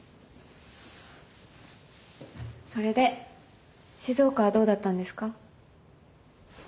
それで静岡はどうだったんですか？